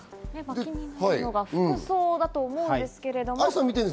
気になるのが服装だと思うんですけれど。